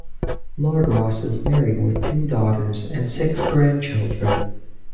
Lord Ross is married with two daughters and six grandchildren.